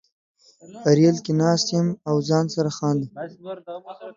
ریل کې ناست یم او ځان سره خاندم